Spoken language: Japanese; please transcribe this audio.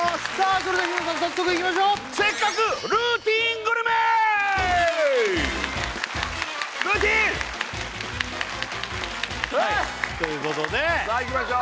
それでは日村さん早速いきましょうルーティンわー！ということでさあいきましょう